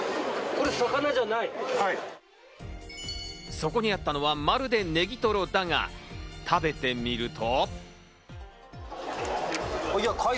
そこにあったのは、まるでネギトロだが、食べてみると。